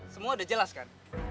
semua udah jelas kan